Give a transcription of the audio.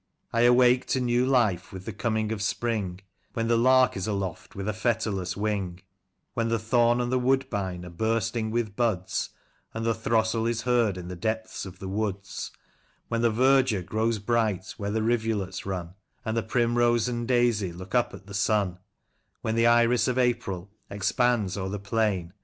I awake to new life with the coming of spring, When the lark is aloft with a fetterless wing ; When the thorn and the woodbine are bursting with buds, And the throstle is heard in the depth of the woods ; When the verdure grows bright where the rivulets run, And the primrose and daisy look up at the sun ; When the iris of April expands o*er the plain.